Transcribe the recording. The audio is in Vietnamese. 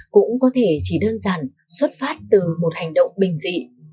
cũng có thể chỉ đơn giản xuất phát từ một hành động bình dị